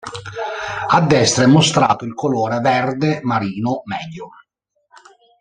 A destra è mostrato il colore verde marino medio.